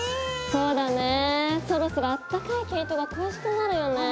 そうだねそろそろあったかい毛糸が恋しくなるよね。